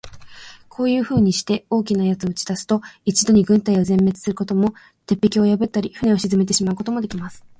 こういうふうにして、大きな奴を打ち出すと、一度に軍隊を全滅さすことも、鉄壁を破ったり、船を沈めてしまうこともできます。